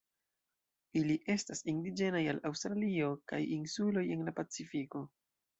Ili estas indiĝenaj al Aŭstralio kaj insuloj en la Pacifiko.